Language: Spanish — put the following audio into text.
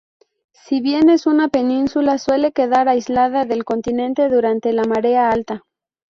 Si bien es una península, suele quedar aislada del continente durante la marea alta.